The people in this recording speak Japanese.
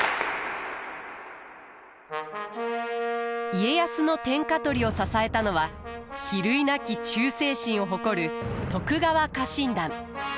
家康の天下取りを支えたのは比類なき忠誠心を誇る徳川家臣団。